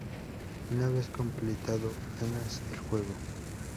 Una vez completado, ganas el juego.